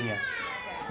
setiap hari punya